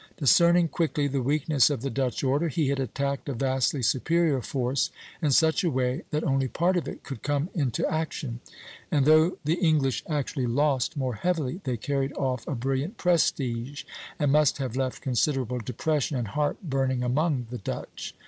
Discerning quickly the weakness of the Dutch order, he had attacked a vastly superior force in such a way that only part of it could come into action; and though the English actually lost more heavily, they carried off a brilliant prestige and must have left considerable depression and heart burning among the Dutch.